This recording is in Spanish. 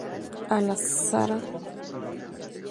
A la Sra.